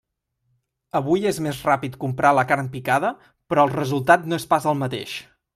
Avui és més ràpid comprar la carn picada, però el resultat no és pas el mateix.